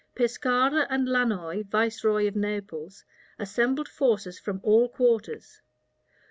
Pescara, and Lannoy, viceroy of Naples, assembled forces from all quarters.